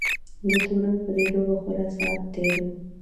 د تورن په دې لوبه خورا ساعت تېر وو.